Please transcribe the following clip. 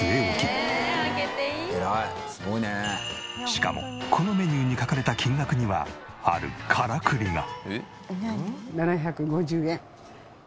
しかもこのメニューに書かれた金額にはあるカラクリが。